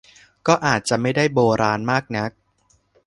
ก็อาจจะไม่ได้โบราณมากนัก